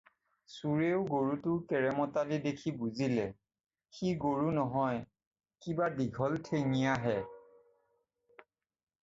চোৰেও গৰুটোৰ কেৰামতালি দেখি বুজিলে, সি গৰু নহয়, কিবা দীঘল ঠেঙীয়াহে।